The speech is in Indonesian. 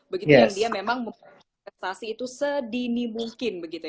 begitu dia memang investasi itu sedini mungkin begitu ya